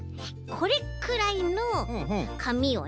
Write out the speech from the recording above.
これくらいのかみをね